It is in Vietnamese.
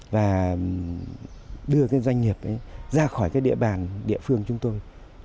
và đưa doanh nghiệp ra khỏi địa bàn địa phương chúng tôi